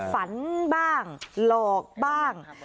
ฝันบ้างหลอกบ้าง